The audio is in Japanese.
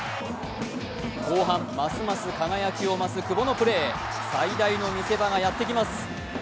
後半、ますます輝きを増す久保のプレー、最大の見せ場がやってきます。